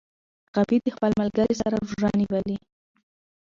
غابي د خپل ملګري سره روژه نیولې.